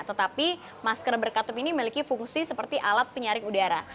tetapi masker berkatup ini memiliki fungsi seperti alat penyaring udara